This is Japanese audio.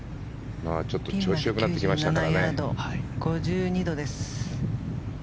ちょっと調子よくなってきましたからね。